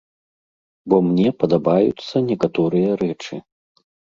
Бо мне падабаюцца некаторыя рэчы.